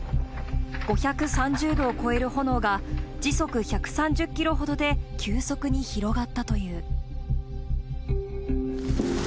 ５３０度を超える炎が時速１３０キロほどで急速に広がったという。